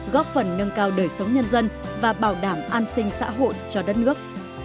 góp phần nâng cao đời sống nhân dân và bảo đảm an sinh xã hội cho đất nước